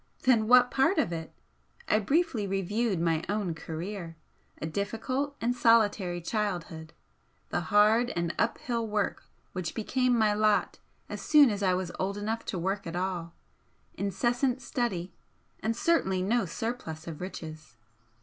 then what part of it? I briefly reviewed my own career, a difficult and solitary childhood, the hard and uphill work which became my lot as soon as I was old enough to work at all, incessant study, and certainly no surplus of riches.